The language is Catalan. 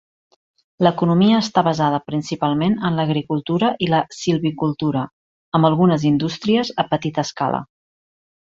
L'economia està basada principalment en l'agricultura i la silvicultura, amb algunes indústries a petita escala.